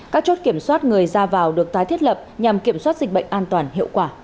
các chốt kiểm soát người ra vào được tái thiết lập nhằm kiểm soát dịch bệnh an toàn hiệu quả